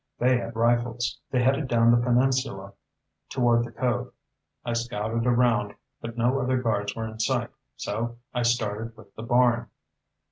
They had rifles. They headed down the peninsula toward the cove. I scouted around, but no other guards were in sight, so I started with the barn."